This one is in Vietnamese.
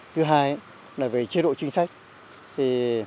thứ hai là về chế độ chính sách